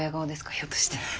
ひょっとして。